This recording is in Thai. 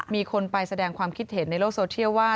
มีคนไปแสดงความคิดเห็นในโลกโซเชียลว่า